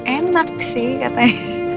enak sih katanya